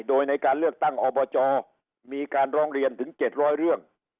โดยในการเลือกตั้งอบจมีการร้องเรียนถึง๗๐๐เรื่อง